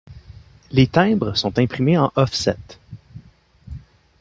Les timbres sont imprimés en offset.